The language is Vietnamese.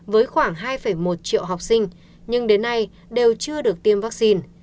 với khoảng hai một triệu học sinh nhưng đến nay đều chưa được tiêm vaccine